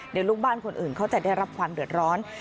เดี๋ยวลูกบ้านคนอื่นเขาจะได้รับความเดือดร้อน